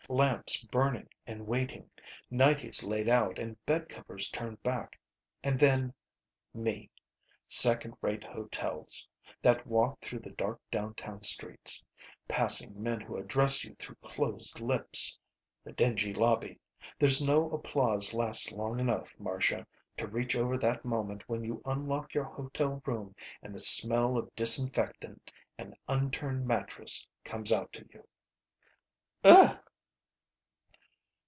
Lamps burning and waiting. Nighties laid out and bedcovers turned back. And then me. Second rate hotels. That walk through the dark downtown streets. Passing men who address you through closed lips. The dingy lobby. There's no applause lasts long enough, Marcia, to reach over that moment when you unlock your hotel room and the smell of disinfectant and unturned mattress comes out to you." "Ugh!"